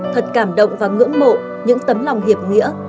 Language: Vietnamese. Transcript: thật cảm động và ngưỡng mộ những tấm lòng hiệp nghĩa